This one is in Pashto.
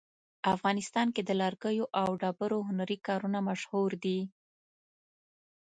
افغانستان کې د لرګیو او ډبرو هنري کارونه مشهور دي